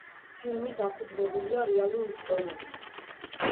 ფილმი დაფუძნებულია რეალურ ისტორიაზე.